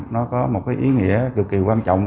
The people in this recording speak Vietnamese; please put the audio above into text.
nó có một cái ý nghĩa cực kỳ quan trọng